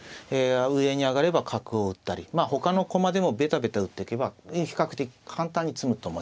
上に上がれば角を打ったりまあほかの駒でもベタベタ打ってけば比較的簡単に詰むと思います。